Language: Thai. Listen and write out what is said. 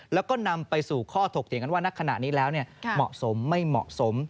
แล้วก็นำไปสู่ข้อถกเถียงกันว่าณขณะนี้แล้วเหมาะสมไม่เหมาะสม